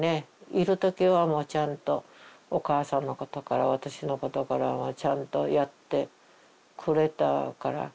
いる時はもうちゃんとお母さんのことから私のことからちゃんとやってくれたから。